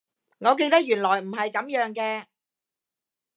我記得原來唔係噉樣嘅